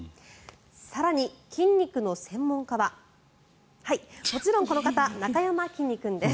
更に、筋肉の専門家はもちろんこの方なかやまきんに君です。